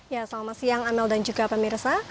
ya selamat siang amel dan juga pemirsa